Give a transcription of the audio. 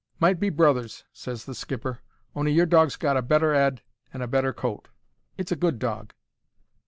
"Might be brothers," ses the skipper, "on'y your dog's got a better 'eead and a better coat. It's a good dog."